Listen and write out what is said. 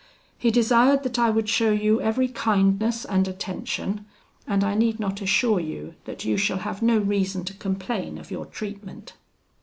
He desired that I would show you every kindness and attention, and I need not assure you that you shall have no reason to complain of your treatment.'